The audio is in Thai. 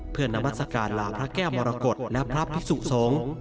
เพื่อนามัศกาลลาพระแก้วมรกฏและพระพิสุสงฆ์